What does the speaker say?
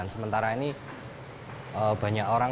sementara ini banyak orang